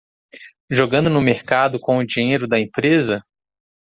Jogando no mercado com o dinheiro da empresa?